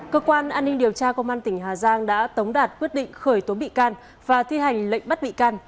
cơ quan an ninh điều tra công an tỉnh hà giang đã tống đạt quyết định khởi tố bị can và thi hành lệnh bắt bị can